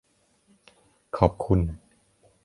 ขอบคุณ